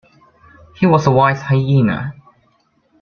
He was a wise hyena.